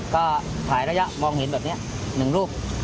ก็ถ่ายระยะมองเห็นแบบนี้๑รูป